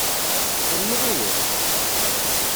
Rnu ɣiwel!